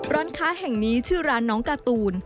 ร้านค้าแห่งนี้ชื่อร้านน้องการ์ตูน